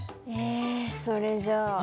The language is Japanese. えそれじゃあ。